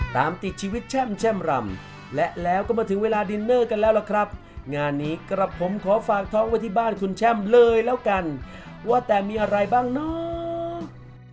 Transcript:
ตามติดชีวิตแช่มรำและแล้วก็มาถึงเวลาดินเนอร์กันแล้วล่ะครับงานนี้กลับผมขอฝากท้องไว้ที่บ้านคุณแช่มเลยแล้วกันว่าแต่มีอะไรบ้างน้อง